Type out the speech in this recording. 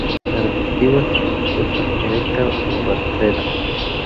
Arbustiva, cespitosa, erecta o rastrera.